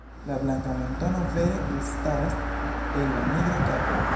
La blanka mentono vere elstaras el la nigra kapo.